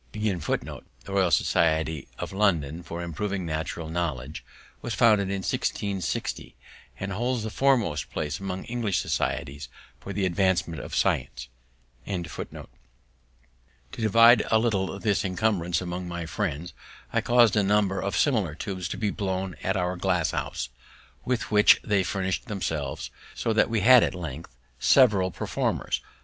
The Royal Society of London for Improving Natural Knowledge was founded in 1660 and holds the foremost place among English societies for the advancement of science. To divide a little this incumbrance among my friends, I caused a number of similar tubes to be blown at our glass house, with which they furnish'd themselves, so that we had at length several performers.